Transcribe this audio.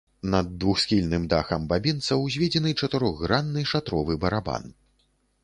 Над двухсхільным дахам бабінца ўзведзены чатырохгранны шатровы барабан.